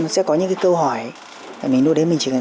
sẽ có những cái câu hỏi mình đưa đến mình chỉ cần